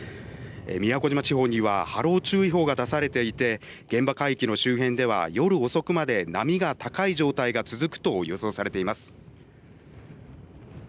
宮古島地方には波浪注意報が出されていて現場海域の周辺では夜遅くまで波が高い状態が続くと予想されています。